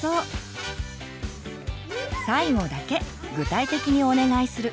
最後だけ具体的にお願いする。